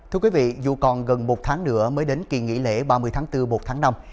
thưa quý vị dù còn gần một tháng nữa mới đến kỳ nghỉ lễ ba mươi tháng bốn một tháng năm